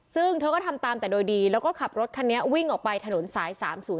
ซึ่งเธอก็ทำตามแต่โดยดีแล้วก็ขับรถคันนี้วิ่งออกไปถนนสาย๓๐